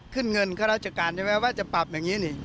ขึ้นเงินข้าราชการใช่ไหมว่าจะปรับอย่างนี้นี่